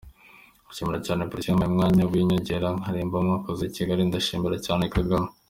Ndashimira cyane polisi yampaye umwanya w’inyongera nkaririmba, mwakoze Kigali, ndashimira cyane Kagame.